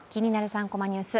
３コマニュース」。